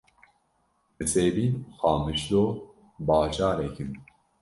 Nisêbîn û Qamişlo bajarek in.